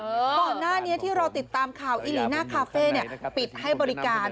ก่อนหน้านี้ที่เราติดตามข่าวอีหลีน่าคาเฟ่ปิดให้บริการ